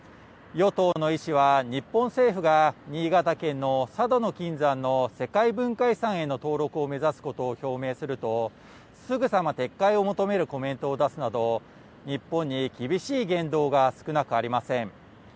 与党のイ氏は日本政府が、新潟県の佐渡島の金山の世界文化遺産への登録を目指すことを表明すると、すぐさま撤回を求めるコメントを出すなど、日本に厳しい言動が少なくありません。